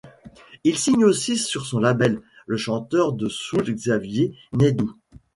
Il signe aussi sur son label, le chanteur de soul Xavier Naidoo.